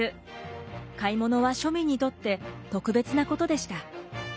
買い物は庶民にとって特別なことでした。